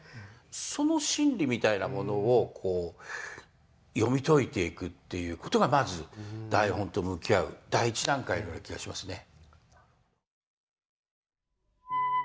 その心理みたいなものを読み解いていくっていうことがまず台本と向き合う第一段階のような気がしますね。